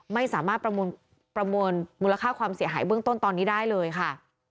ไม่สามารถประมวลมูลค่าความเสียหายเบื้องต้นตอนนี้ได้เลยค่ะ